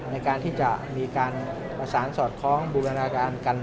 ในการที่จะมีการประสานสอดคล้องบูรณาการกัน